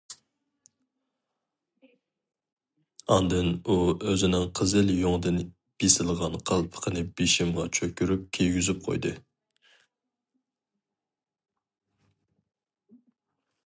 ئاندىن ئۇ ئۆزىنىڭ قىزىل يۇڭدىن بېسىلغان قالپىقىنى بېشىمغا چۆكۈرۈپ كىيگۈزۈپ قويدى.